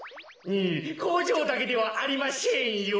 こうじょうだけではありまシェンよ。